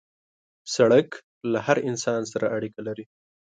سړک له هر انسان سره اړیکه لري.